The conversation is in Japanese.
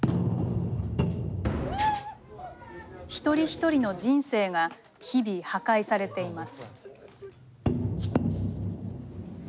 一人一人の人生が日々破壊されています。